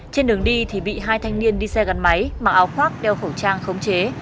trên đường đi thì bị hai thanh niên đi xe gắn máy mặc áo khoác đeo khẩu trang khống chế